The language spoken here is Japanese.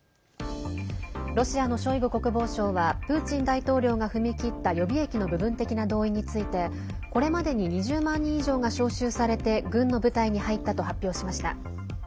ロシアのショイグ国防相はプーチン大統領が踏み切った予備役の部分的な動員についてこれまでに２０万人以上が招集されて軍の部隊に入ったと発表しました。